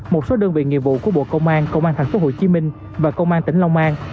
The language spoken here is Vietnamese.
một số đơn vị nghiệp vụ của bộ công an công an thành phố hồ chí minh và công an tỉnh long an